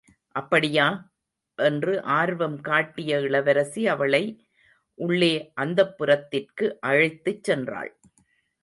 அப்படியா? என்று ஆர்வம் காட்டிய இளவரசி அவளை உள்ளே அந்தப்புரத்திற்கு அழைத்துச் சென்றாள்.